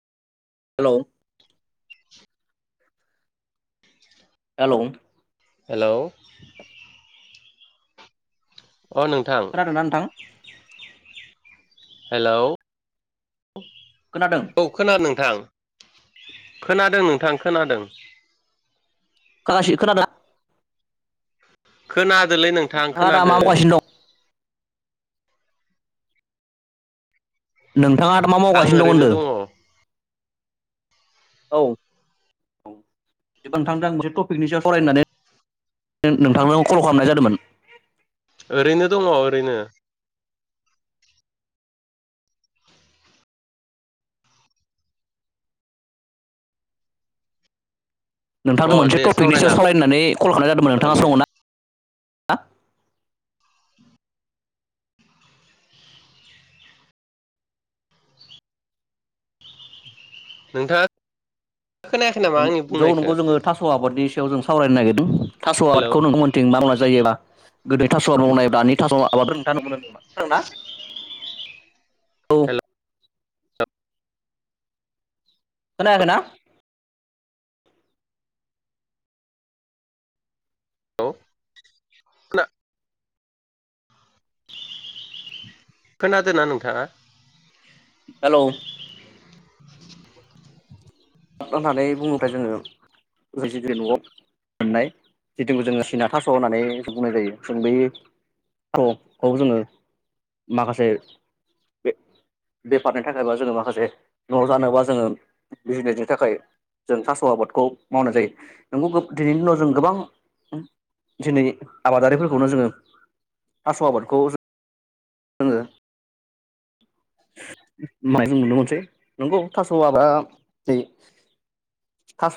हेल' [inaudible] [inaudible] hello hello अ नोंथां। खोनादोंना नोंथां हेलौ खोनादों औ खोनाद नोंथां। खोनादों नोंथां खोनादों। कारासि खोनादों। खोनादोलै नोंथां नोंथाङा दा खोनादो मा । मावगासिनो दं नोंथाङा दा मा आं मावगासिनो दं ओरैनो होनदों? दङ औ दिबा नोंथांदों आ मोनसे टपिकनि सायाव सावरायनो होननै नो- नोंथांनाव कल खालामनाय जादोंमोन। ओरैनो दङ ओरैनो। अ नोंथांदो मोनसे दे टपिकनि सावरायनो सालायनानै कल खालानाय जादोंमोन हागोन नोंथाङा दे स ना? [unintelligible] नोंथा जौ नंगौ जोङो थास' आबादनि सायाव जों सावरायनो नागिरदों थास' हेलौ आबादखौ नोंथां मोनथिं मावनाय जायो बा गोदो थास' मावनाय दानि थास' आबा [unintelligible] फोर ना औ हेलौ खोनायाखै ना? औे ना खोनादोना नोंथाङा। हेल' ओनानै बुंङोबफ्राय जोङो जे न'आव मोननाय जिथुखौ जोङो सिना थास' होननानै बुंनाय जायो जों बै ग खौ जोङो माखासे बे-बेफारनि थाखायबा जोङो माखासे न' जानोबा जोङो बिजनेजनि थाखाय जों थास' आबादखौ मावनाय जायो। नोंगौ गोब दिनैनि दिनाव जों गोबां दिनै आबादारिफोरखौनो जोङो थास' आबादखौ जोङो [unintelligible] मोनसै नंगौ थास' आदा बेै थास'